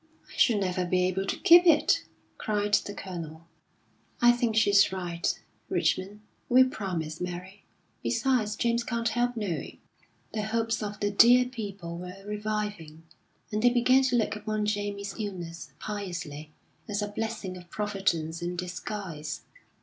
"I should never be able to keep it!" cried the Colonel. "I think she's right, Richmond. We'll promise, Mary. Besides, James can't help knowing." The hopes of the dear people were reviving, and they began to look upon Jamie's illness, piously, as a blessing of Providence in disguise.